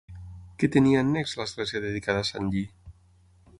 Què tenia annex l'església dedicada a sant Lli?